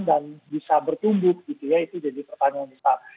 dan bisa bertumbuh gitu ya itu jadi pertanyaan besar